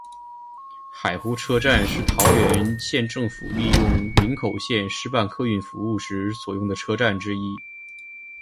海湖车站是桃园县政府利用林口线试办客运服务时所使用的车站之一。